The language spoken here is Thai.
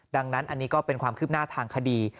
ดังนั้นอันนี้ก็เป็นความคืบหน้าทางคดี